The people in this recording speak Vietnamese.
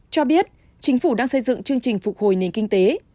cho biết chính phủ đang xây dựng chương trình phục hồi nền kinh tế